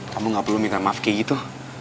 kamu gak perlu minta maaf kayak gitu